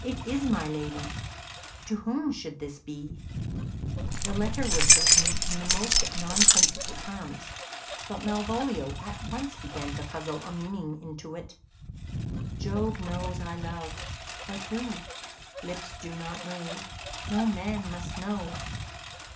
It is my lady. To whom should this be?" The letter was written in the most nonsensical terms, but Malvolio at once began to puzzle a meaning into it. "Jove knows I love: But who? Lips do not move; No man must know."